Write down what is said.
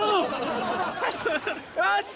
よし。